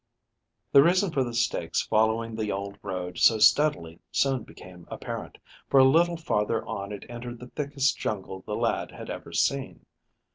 The reason for the stakes following the old road so steadily soon became apparent, for a little farther on it entered the thickest jungle the lad had ever seen.